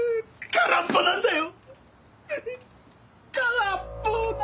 空っぽなんだよ。